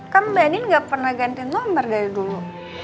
kan mbak nin gak pernah ganti nomor dari dulu